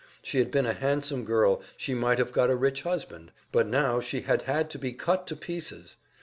She had been a handsome girl, she might have got a rich husband, but now she had had to be cut to pieces!